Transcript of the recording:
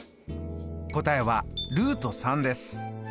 答えはです。